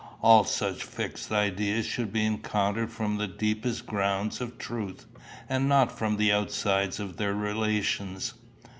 All such fixed ideas should be encountered from the deepest grounds of truth, and not from the outsides of their relations.